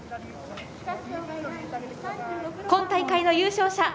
今大会の優勝者